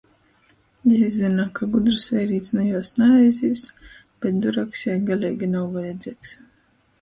Jei zyna, ka gudrs veirīts nu juos naaizīs, bet duraks jai galeigi nav vajadzeigs...